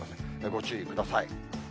ご注意ください。